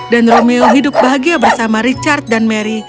dan romeo hidup bahagia bersama richard dan mary